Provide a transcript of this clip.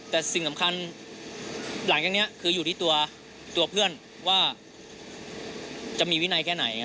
แต่สิ่งสำคัญหลังจากนี้คืออยู่ที่ตัวเพื่อนว่าจะมีวินัยแค่ไหน